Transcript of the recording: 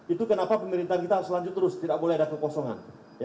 itu kenapa pemerintahan kita harus lanjut terus tidak boleh ada kekosongan